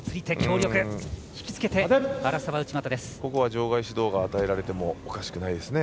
場外指導が与えられてもおかしくないですね。